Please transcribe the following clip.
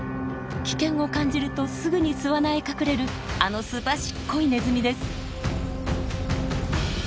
危険を感じるとすぐに巣穴へ隠れるあのすばしっこいネズミです。